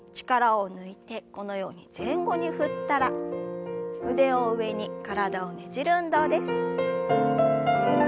力を抜いてこのように前後に振ったら腕を上に体をねじる運動です。